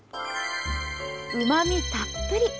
うまみたっぷり！